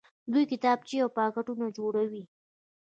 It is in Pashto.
دوی کتابچې او پاکټونه جوړوي.